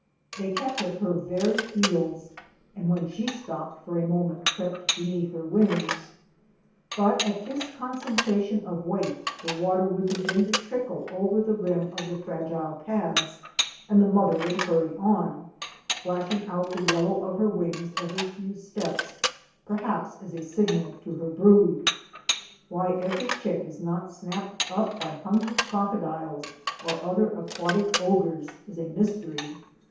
They kept at her very heels and when she stopped for a moment crept beneath her wings. But at this concentration of weight the water would begin to trickle over the rim of the fragile pads and the mother would hurry on, flashing out the yellow of her wings every few steps, perhaps as a signal to her brood. THE LIFE OF THE ABARY SAVANNAS. 385 Why every chick is not snapped up by hungry crocodiles or other aquatic ogres is a mystery.